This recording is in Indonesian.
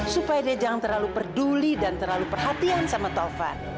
supaya dia jangan terlalu peduli dan terlalu perhatian sama taufan